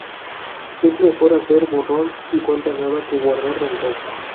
Es mejor hacer borrón y cuenta nueva que guardar rencor